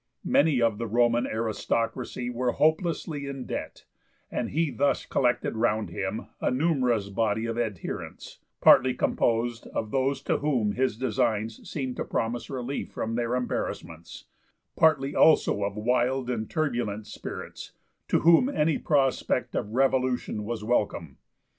Many of the Roman aristocracy were hopelessly in debt, and he thus collected round him a numerous body of adherents, partly composed of those to whom his designs seemed to promise relief from their embarrassments, partly also of wild and turbulent spirits to whom any prospect of revolution was welcome.